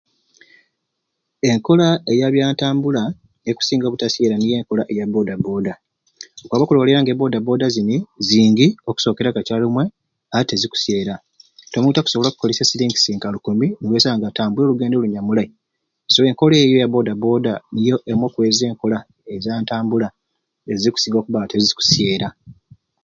Enkola eya byantambula ekusinga obutasyera niyo enkola ya boda boda okwaba okulolera e boda boda zini zingi okusokera kakyarumwei ate tezikusyera omuntu okusobola okukolesya e shilling nka lukumi niwesanga nga atambwire llugendo lunyamulei so enkola eyo eya boda boda niyo ezimwei kwezo enkola eza ntambula ezikusinga okuba nga tezikusyera